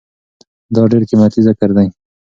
دا ډير قيمتي ذکر دی